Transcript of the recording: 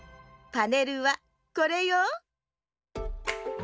パネルはこれよ。